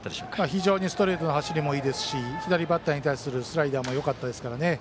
非常にストレートの走りもいいですし左バッターに対するスライダーもよかったですからね。